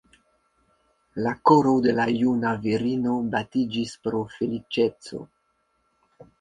La koro de la juna virino batiĝis pro feliĉeco.